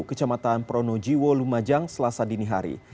kecamatan pronojiwo lumajang selasa dini hari